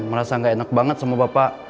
merasa gak enak banget sama bapak